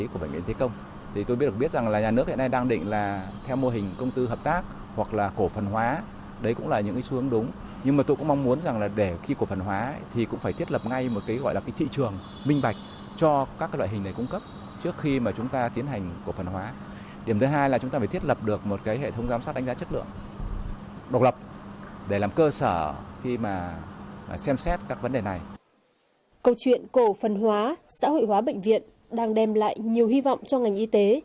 câu chuyện cổ phần hóa xã hội hóa bệnh viện đang đem lại nhiều hy vọng cho ngành y tế